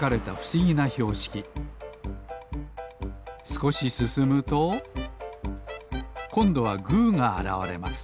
すこしすすむとこんどはグーがあらわれます